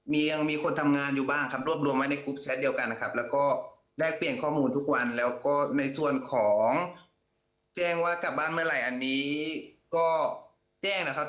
มียังมีคนทำงานอยู่บ้างครับรวบรวมไว้ในกรุ๊ปแชทเดียวกันนะครับแล้วก็ได้เปลี่ยนข้อมูลทุกวันแล้วก็ในส่วนของแจ้งว่ากลับบ้านเมื่อไหร่อันนี้ก็แจ้งนะครับ